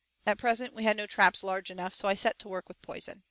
At present we had no traps large enough, so I set to work with poison.